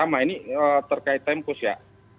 nah ini terkait tempus ya